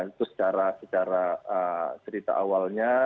itu secara cerita awalnya